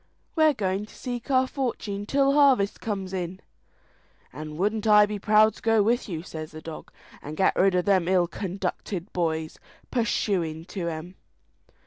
"We're going to seek our fortune till harvest comes in." "And wouldn't I be proud to go with you!" says the dog, "and get rid of them ill conducted boys; purshuin' to 'em."